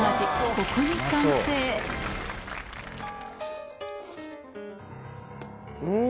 ここに完成うん！